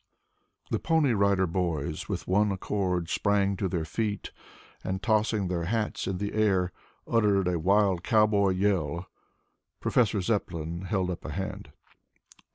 The Pony Rider Boys with one accord sprang to their feet and, tossing their hats in the air, uttered a wild cowboy yell. Professor Zepplin held up a hand.